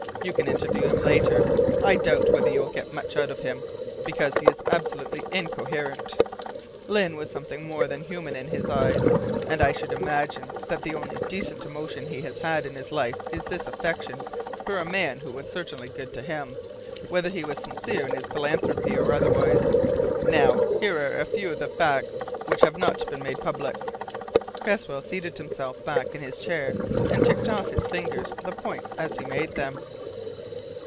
You can interview him later. I doubt whether you will get much out of him, because he is absolutely incoherent. Lyne was something more than human in his eyes, and I should imagine that the only decent emotion he has had in his life is this affection for a man who was certainly good to him, whether he was sincere in his philanthropy or otherwise. Now here are a few of the facts which have not been made public." Cresswell settled himself back in his chair and ticked off on his fingers the points as he made them.